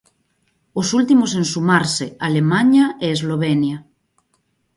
Os últimos en sumarse, Alemaña e Eslovenia.